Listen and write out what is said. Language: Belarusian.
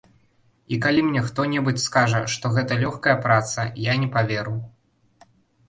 І калі мне хто-небудзь скажа, што гэта лёгкая праца, я не паверу.